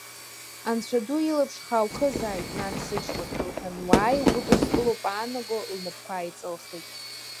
Анцәа ду илаԥш хаа ухызааит, нан, сыҷкәын, — лҳәан, уааи, угәыдыскылап аанаго, лнапқәа ааиҵылхит.